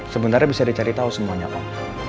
sebenarnya bisa dicari tau semuanya om